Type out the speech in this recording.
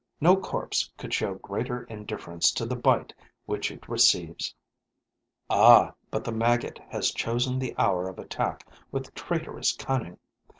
No corpse could show greater indifference to the bite which it receives. Ah, but the maggot has chosen the hour of attack with traitorous cunning!